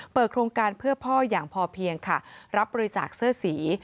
โครงการเพื่อพ่ออย่างพอเพียงค่ะรับบริจาคเสื้อสี